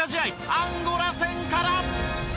アンゴラ戦から。